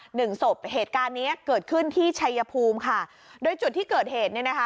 หนึ่งศพเหตุการณ์เนี้ยเกิดขึ้นที่ชัยภูมิค่ะโดยจุดที่เกิดเหตุเนี่ยนะคะ